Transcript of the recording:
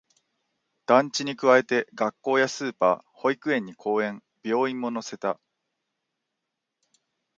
団地に加えて、学校やスーパー、保育園に公園、病院も乗せた